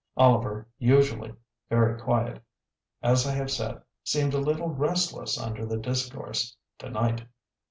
Oliver, usually, very quiet, as I have said, seemed a little restless under the discourse to night.